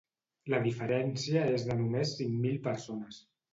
La diferència és de només cinc mil persones.